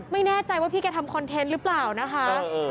ไม่แน่ใจว่าพี่แกทำคอนเทนต์หรือเปล่านะคะ